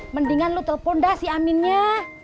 mendingan lo telpon dah si aminnya